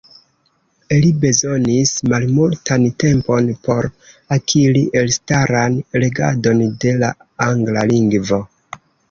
Li bezonis malmultan tempon por akiri elstaran regadon de la angla lingvo.